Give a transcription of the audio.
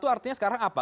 artinya sekarang apa